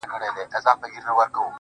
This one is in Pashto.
زما د زنده گۍ له هر يو درده سره مله وه.